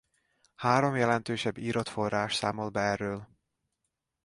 Három jelentősebb írott forrás számol be erről.